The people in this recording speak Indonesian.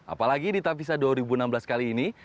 apalagi di tavisa dua ribu enam belas kali ini